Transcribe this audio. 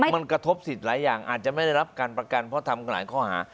มันกระทบสิทธิ์หลายอย่างอาจจะไม่ได้รับการประกันเพราะทำกันหลายข้อหา